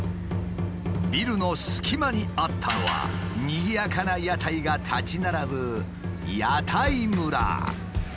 ビルの隙間にあったのはにぎやかな屋台が立ち並ぶ屋台村。